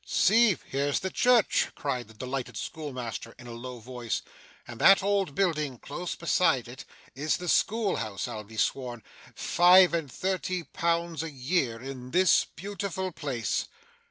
'See here's the church!' cried the delighted schoolmaster in a low voice; 'and that old building close beside it, is the schoolhouse, I'll be sworn. Five and thirty pounds a year in this beautiful place!